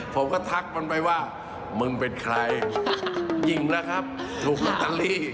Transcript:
ผมก็ทักมันไปว่ามึงเป็นใครยิงแล้วครับถูกลอตเตอรี่